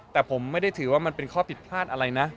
แต่ผมไม่ได้ถือว่ามันเป็นข้อผิดพลาดอะไรนะ